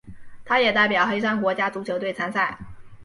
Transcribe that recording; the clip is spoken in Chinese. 他也代表黑山国家足球队参赛。